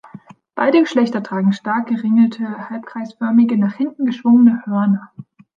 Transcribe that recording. Beide Geschlechter tragen stark geringelte, halbkreisförmig nach hinten geschwungene Hörner.